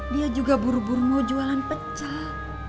dia juga buru buru mau jualan pecah